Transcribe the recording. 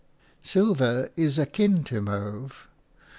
Silver is akin to mauve.